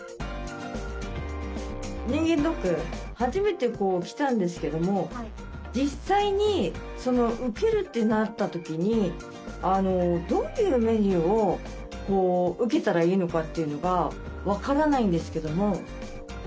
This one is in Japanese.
人間ドック初めて来たんですけども実際に受けるとなった時にどういうメニューを受けたらいいのかというのが分からないんですけども。